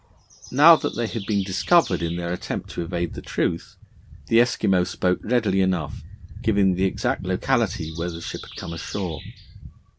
Now that they had been discovered in their attempt to evade the truth, the Eskimo spoke readily enough, giving the exact locality where the ship had come ashore.